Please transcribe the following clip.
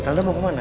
tante mau kemana